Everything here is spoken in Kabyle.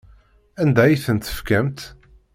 Anda ay tent-tefkamt?